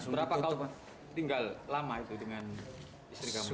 berapa kamu tinggal lama itu dengan istri kamu